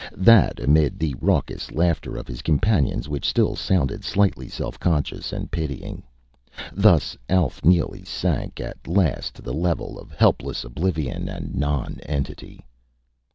That, amid the raucous laughter of his companions, which still sounded slightly self conscious and pitying. Thus Alf Neely sank at last to the level of helpless oblivion and nonentity.